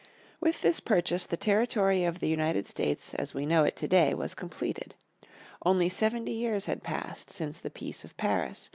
With this purchase the territory of the United States as we know it today was completed. Only seventy years had passed since the Peace of Paris.